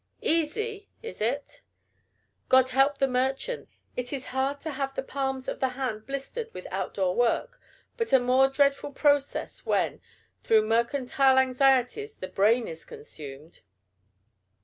Easy! is it? God help the merchants! It is hard to have the palms of the hand blistered with out door work; but a more dreadful process when, through mercantile anxieties, the brain is consumed!